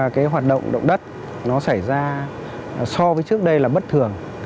vậy là khi mà cái hoạt động động đất nó xảy ra so với trước đây là bất thường